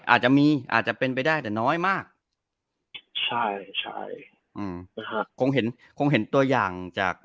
อาจจะมีอาจจะเป็นไปได้แต่น้อยมากใช่ใช่อืมคงเห็นคงเห็นตัวอย่างจาก